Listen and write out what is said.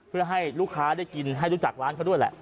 เพื่อให้ลูกค้าได้กินให้รู้จักร้านเขาด้วยแหละ